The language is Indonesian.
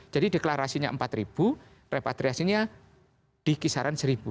jadi deklarasinya empat ribu repatriasinya di kisaran seribu